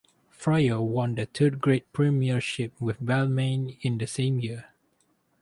Fryer won the third grade premiership with Balmain in the same year.